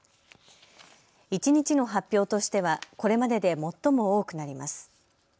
一日の発表としては、これまでで最も多くなります。